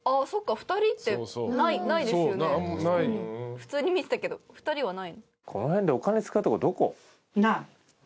普通に見てたけど２人はない。